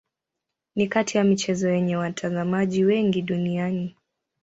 Ni kati ya michezo yenye watazamaji wengi duniani.